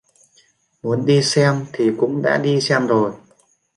Muốn đi xem thì cũng đã đi xem rồi